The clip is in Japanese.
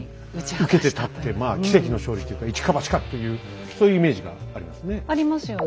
受けて立ってまあ奇跡の勝利というか一か八かっていうそういうイメージがありますね。